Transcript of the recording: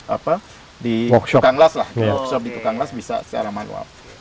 bagaimana di workshop di workshop di tukang las bisa secara manual